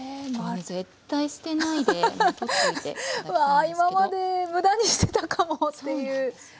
わ今まで無駄にしてたかもっていう。